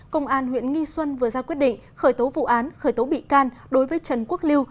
công an huyện nghi xuân vừa ra quyết định khởi tố vụ án khởi tố bị can đối với trần quốc liêu